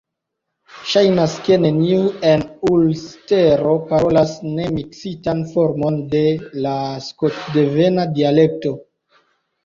Ŝajnas, ke neniu en Ulstero parolas nemiksitan formon de la skotdevena dialekto.